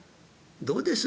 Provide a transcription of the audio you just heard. どうです？